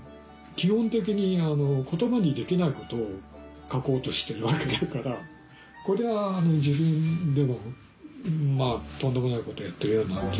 基本的に言葉にできないことを書こうとしてるわけだからこれは自分でもとんでもないことをやってるような気がするよね。